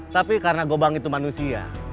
tapi karena gobang itu manusia